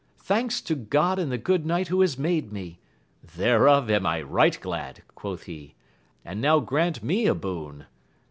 thanks to God and the good knight who has made me ! Thereof am I right glad, quoth he, and now grant me a boon.